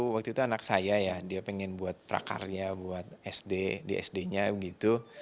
waktu itu anak saya ya dia pengen buat prakarya buat sd di sd nya gitu